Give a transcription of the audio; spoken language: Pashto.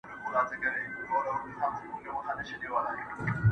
قلندر چي د خداى دوست وو بختور وو!.